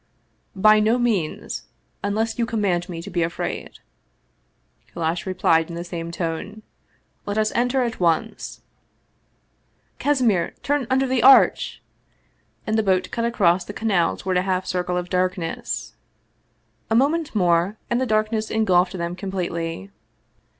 " By no means unless you command me to be afraid," Kallash replied in the same tone. " Let us enter at once !"" Kasimir, turn under the arch !" and the boat cut across the canal toward a half circle of darkness. A moment more and the darkness engulfed them completely.